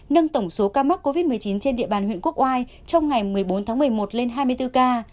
nâng tổng số ca mắc covid một mươi chín trên địa bàn huyện quốc oai trong ngày một mươi bốn tháng một mươi một lên hai mươi bốn ca